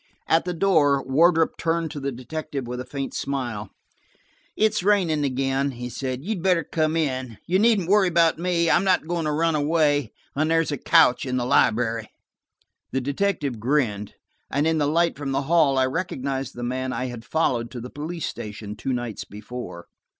At the door Wardrop turned to the detective with a faint smile. "It's raining again," he said, "you'd better come in. You needn't worry about me; I'm not going to run away, and there's a couch in the library." The detective grinned, and in the light from the hall I recognized the man I had followed to the police station two nights before.